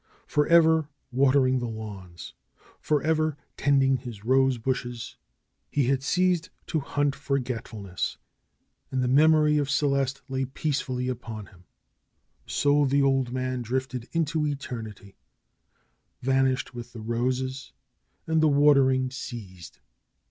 Forever watering the lawns, forever tending his rose bushes, he had ceased to hunt forgetfulness, and the memory of Celeste lay peacefully upon him. So the old man drifted into eternity; vanished with the roses; and the watering ceased.